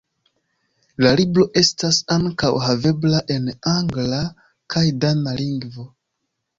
La libro estas ankaŭ havebla en angla kaj dana lingvo.